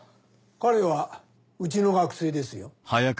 彼はうちの学生ですよ。